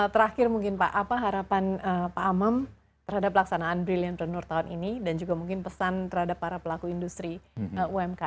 terakhir mungkin pak apa harapan pak amem terhadap pelaksanaan brilliantpreneur tahun ini dan juga mungkin pesan terhadap para pelaku industri umkm